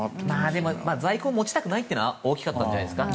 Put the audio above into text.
でも在庫を持ちたくないというのは大きかったんじゃないですか。